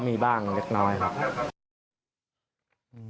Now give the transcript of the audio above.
มีบ้างเล็กน้อยครับ